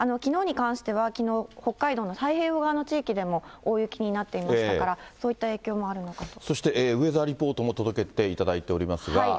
きのうに関しては、きのう、北海道の太平洋側の地域でも大雪になっていましたから、そういっそして、ウェザーリポートも届けていただいておりますが。